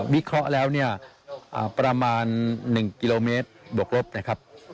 วิเคราะห์แล้วเนี่ยประมาณ๑กิโลเมตรบวกลบนะครับ